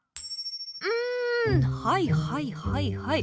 うんはいはいはいはい。